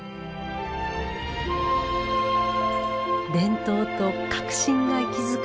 伝統と革新が息づく